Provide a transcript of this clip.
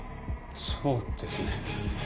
そうですね。